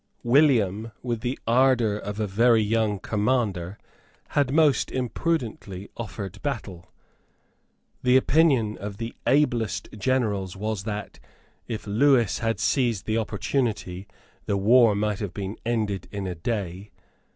William, with the ardour of a very young commander, had most imprudently offered battle. The opinion of the ablest generals was that, if Lewis had seized the opportunity, the war might have been ended in a day.